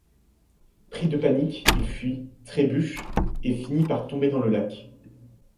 Pris de panique il fuit, trébuche et finit par tomber dans le lac.